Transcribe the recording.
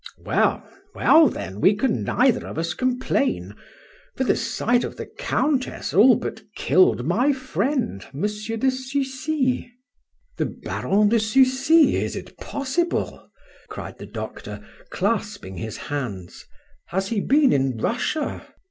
"Well, well, then, we can neither of us complain, for the sight of the Countess all but killed my friend, M. de Sucy." "The Baron de Sucy, is it possible?" cried the doctor, clasping his hands. "Has he been in Russia?